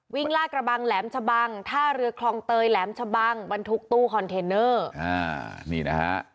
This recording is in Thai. ลากระบังแหลมชะบังท่าเรือคลองเตยแหลมชะบังบรรทุกตู้คอนเทนเนอร์อ่านี่นะฮะ